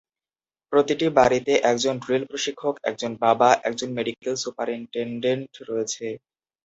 প্রতিটি বাড়িতে একজন ড্রিল প্রশিক্ষক, একজন বাবা, একজন মেডিকেল সুপারিনটেনডেন্ট রয়েছে।